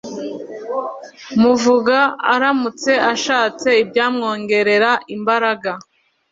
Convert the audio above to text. muvuga aramutse ashatse ibyamwongerera imbaraga